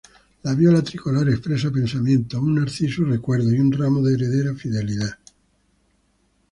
La "Viola tricolor" expresa pensamientos, un "Narcissus" recuerdos, y un ramo de "Hedera" fidelidad.